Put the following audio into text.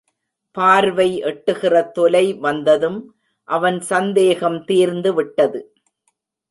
பார்வை எட்டுகிற தொலை வந்ததும் அவன் சந்தேகம் தீர்ந்துவிட்டது.